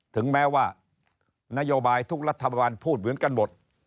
ถึงแม้ว่านโยบายทุกรัฐบาลพูดเหมือนกันหมด